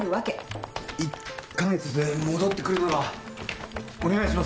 １か月で戻ってくるならお願いします。